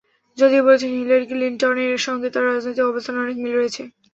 যদিও বলেছেন, হিলারি ক্লিনটনের সঙ্গে তাঁর রাজনৈতিক অবস্থানের অনেক মিল রয়েছে।